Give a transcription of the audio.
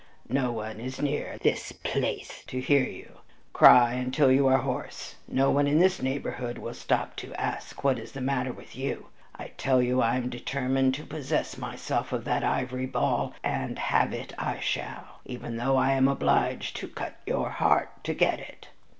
"No one is near this place to hear you! Cry until you are hoarse; no one in this neighborhood will stop to ask what is the matter with you. I tell you I am determined to possess myself of that ivory ball, and have it I shall, even though I am obliged to cut out your heart to get it!"